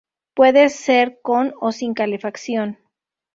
Puede ser con o sin calefacción.